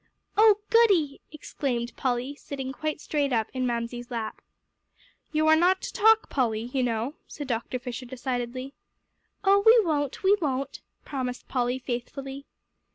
"Oh, goody!" exclaimed Polly, sitting quite straight in Mamsie's lap. "You are not to talk, Polly, you know," said Dr. Fisher decidedly. "Oh, we won't we won't," promised Polly faithfully.